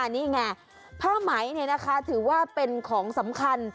นี่ไงผ้าไหมถือว่าเป็นของสำคัญ